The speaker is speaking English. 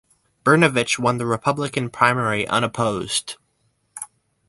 Brnovich won the Republican primary unopposed.